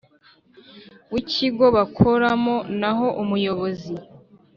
W ikigo bakoramo naho umuyobozi